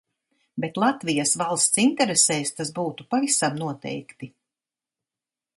Bet Latvijas valsts interesēs tas būtu pavisam noteikti.